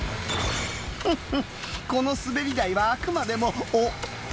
フッフこの滑り台はあくまでもお・と・